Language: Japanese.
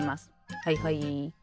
はいはい。